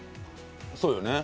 そうよね。